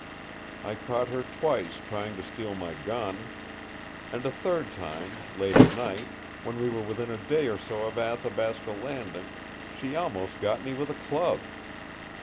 I caught her twice trying to steal my gun. And a third time, late at night, when we were within a day or two of Athabasca Landing, she almost got me with a club.